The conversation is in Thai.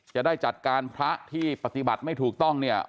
จะได้จัดการพระที่ปฏิบัติไม่ถูกต้องเนี่ย